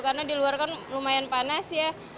karena di luar kan lumayan panas ya